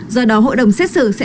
do đó hội đồng xét xử sẽ